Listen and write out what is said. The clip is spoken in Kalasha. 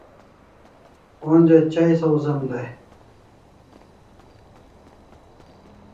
Onja chai sawzem dai